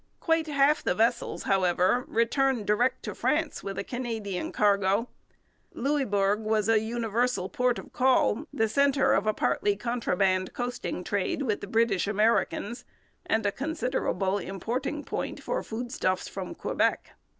Quite half the vessels, however, returned direct to France with a Canadian cargo. Louisbourg was a universal port of call, the centre of a partly contraband coasting trade with the British Americans, and a considerable importing point for food stuffs from Quebec.